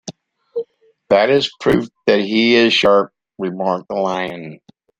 "That is proof that he is sharp," remarked the Lion.